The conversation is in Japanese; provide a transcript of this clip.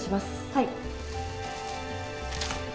はい。